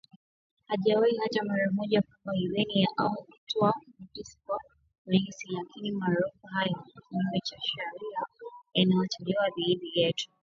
Hawajawahi hata mara moja kuomba idhini au kutoa notisi kwa polisi, lakini marufuku haya ya kinyume cha sharia yanatolewa dhidi yetu.